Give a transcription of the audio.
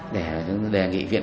để nghị viện